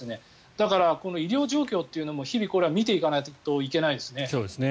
だからこの医療状況というのも日々、見ていかないといけないですね。